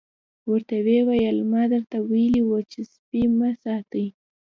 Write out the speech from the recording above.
ورته ویې ویل ما درته ویلي وو سپي مه ساتئ.